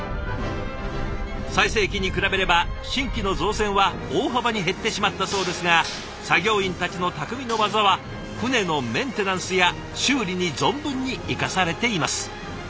最盛期に比べれば新規の造船は大幅に減ってしまったそうですが作業員たちの匠の技は船のメンテナンスや修理に存分に生かされています。